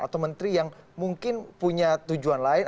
atau menteri yang mungkin punya tujuan lain